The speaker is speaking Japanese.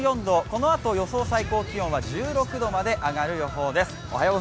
このあと予報最高気温は１６度まで上がる予報です。